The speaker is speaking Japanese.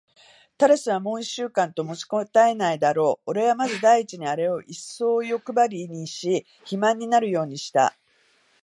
タラスはもう一週間と持ちこたえないだろう。おれはまず第一にあれをいっそうよくばりにし、肥満になるようにした。